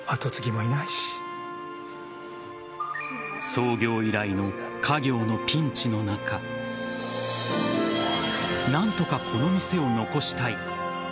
創業以来の家業のピンチの中何とかこの店を残したい。